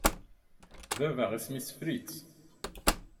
Baba, isem-is Fritz.